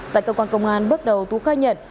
tại cơ quan công an bước đầu tú khai nhận